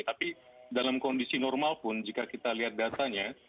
tapi dalam kondisi normal pun jika kita lihat datanya